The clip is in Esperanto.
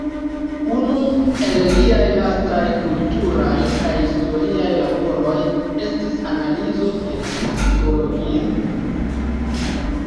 Unu el liaj lastaj kulturaj kaj historiaj laboroj estis analizo de la astrologio.